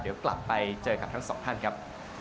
เดี๋ยวกลับไปเจอกับทั้งสองท่านครับ